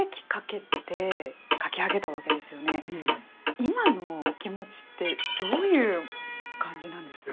今のお気持ちってどういう感じなんですか？